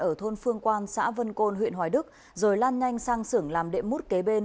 ở thôn phương quan xã vân côn huyện hoài đức rồi lan nhanh sang sưởng làm đệm mút kế bên